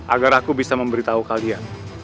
agar aku bisa memberitahu kalian